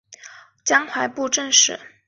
江淮布政使仍设江宁。